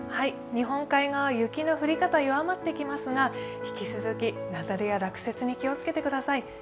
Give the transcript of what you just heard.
日本海側、雪の降り方は弱まってきますが引き続き雪崩や落雪に気をつけてください。